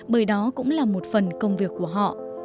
bởi đó cũng là một phần công việc của họ